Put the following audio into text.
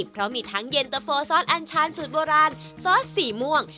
เพราะมีทั้งเย็นตะโฟซอสอัญชาญสูตรโบราณซอสสีม่วง